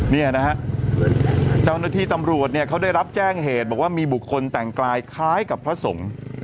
เนี่ยนะฮะเจ้าหน้าที่ตำรวจเนี่ยเขาได้รับแจ้งเหตุบอกว่ามีบุคคลแต่งกายคล้ายกับพระสงฆ์